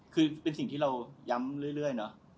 คือเป็นสิ่งที่เราย้ำเรื่อยเนอะ